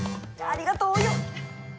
ありがとうお葉！